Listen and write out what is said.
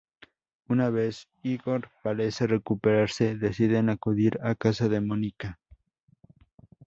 Una vez Igor parece recuperase, deciden acudir a casa de Mónica.